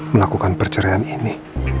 melakukan perceraian ini